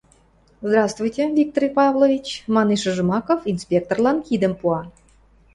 — Здравствуйте, Виктор Павлович! — манеш Жмаков, инспекторлан кидӹм пуа.